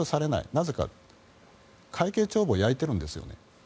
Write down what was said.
なぜかというと会計帳簿を焼いているんです。